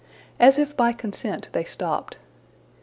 As if by consent they stopped.